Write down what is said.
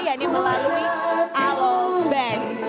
yaitu melalui alo bank